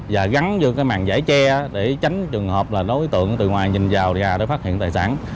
và gắn vô cái màn giải tre để tránh trường hợp là đối tượng từ ngoài nhìn vào ra để phát hiện tài sản